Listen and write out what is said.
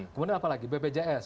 kemudian apa lagi bpjs